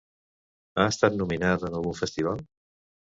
Ha estat nominada en algun festival?